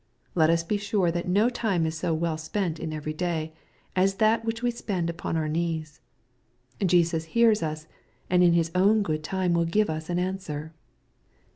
Let us be sure that no time is so weU speat in every day, as that which we spend upon our knees. Jesus hears us, and in his own good time will give an answer.